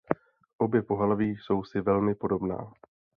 Obě pohlaví jsou si velmi podobná.